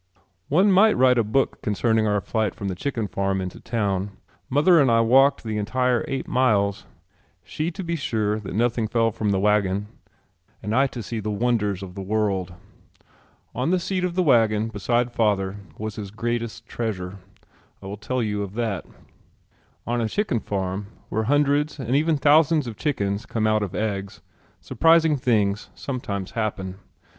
One might write a book concerning our flight from the chicken farm into town. Mother and I walked the entire eight miles she to be sure that nothing fell from the wagon and I to see the wonders of the world. On the seat of the wagon beside father was his greatest treasure. I will tell you of that. On a chicken farm where hundreds and even thousands of chickens come out of eggs surprising things sometimes happen.